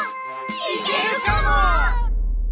いけるかも！